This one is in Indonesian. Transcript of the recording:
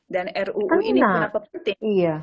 dan ruu ini kenapa penting